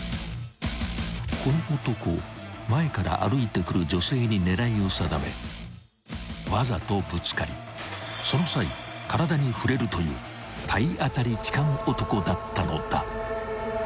［この男前から歩いてくる女性に狙いを定めわざとぶつかりその際体に触れるという］状況をね。